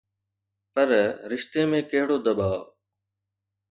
پر رشتي ۾ ڪهڙو دٻاءُ؟